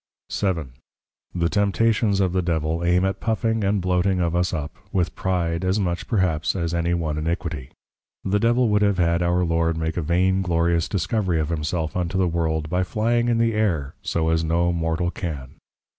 VII. The Temptations of the Devil, aim at puffing and bloating of us up, with Pride; as much perhaps as any one iniquity. The Devil would have had Our Lord make a Vain glorious Discovery of himself unto the World, by Flying in the air, so as no mortal can.